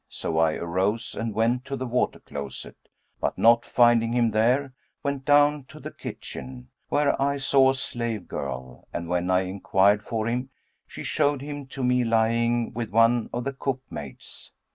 So I arose and went to the water closet, but not finding him there, went down to the kitchen, where I saw a slave girl; and when I enquired for him, she showed him to me lying with one of the cookmaids.